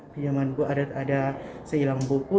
pinjaman buku ada sehilang buku